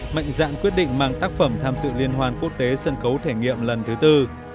mạnh dạng quyết định mang tác phẩm tham dự liên hoàn quốc tế sân khấu thể nghiệm lần thứ tư